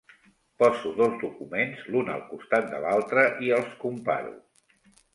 Poso dos documents l'un al costat de l'altre i els comparo.